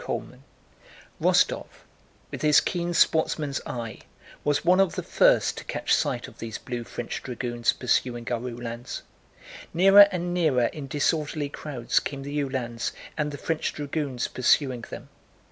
CHAPTER XV Rostóv, with his keen sportsman's eye, was one of the first to catch sight of these blue French dragoons pursuing our Uhlans. Nearer and nearer in disorderly crowds came the Uhlans and the French dragoons pursuing them.